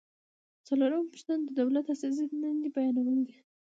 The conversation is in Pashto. څلورمه پوښتنه د دولت اساسي دندې بیانول دي.